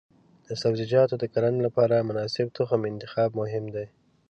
د سبزیجاتو د کرنې لپاره د مناسب تخم انتخاب مهم دی.